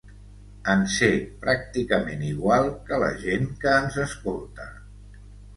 En sé pràcticament igual que la gent que ens escolta.